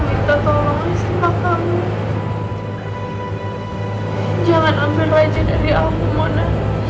jangan ambil rajin dari aku mona